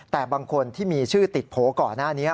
แต่บางคนที่มีชื่อติดโผล่ก่อนหน้านี้